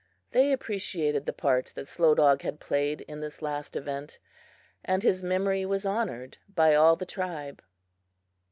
They appreciated the part that Slow Dog had played in this last event, and his memory was honored by all the tribe.